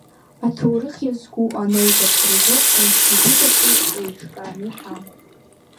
Аҭоурых иазку анаукатә кружок аинститут аҿы еиҿкааны иҳамоуп.